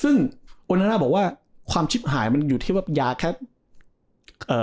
ซึ่งโอนาน่าบอกว่าความชิบหายมันอยู่ที่ว่ายาแค่เอ่อ